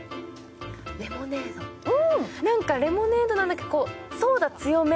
何かレモネードなんだけどソーダ強め。